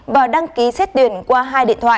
và đăng ký xét tuyển qua hai điện thoại